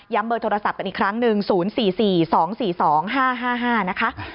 ย้ำเบอร์โทรศัพท์กันอีกครั้ง๑๐๔๔๒๔๒๕๕๕นะคะ